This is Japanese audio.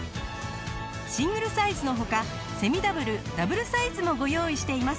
シングルサイズの他セミダブルダブルサイズもご用意しています。